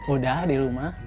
udah di rumah